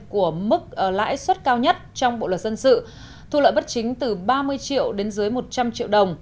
của mức lãi suất cao nhất trong bộ luật dân sự thu lợi bất chính từ ba mươi triệu đến dưới một trăm linh triệu đồng